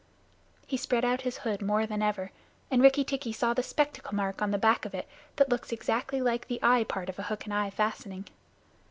He spread out his hood more than ever, and Rikki tikki saw the spectacle mark on the back of it that looks exactly like the eye part of a hook and eye fastening.